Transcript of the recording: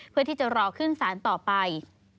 เพื่อที่จะรอขึ้นสารต่อไป